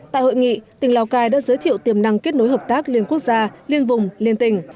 tại hội nghị tỉnh lào cai đã giới thiệu tiềm năng kết nối hợp tác liên quốc gia liên vùng liên tỉnh